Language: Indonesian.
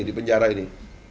di penjara ini